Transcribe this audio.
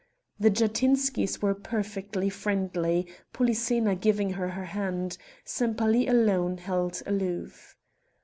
The Jatinskys were perfectly friendly, Polyxena giving her her hand Sempaly alone held aloof.